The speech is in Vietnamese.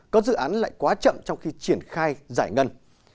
có dự án lại quá chậm trong khi triển khai giải ngân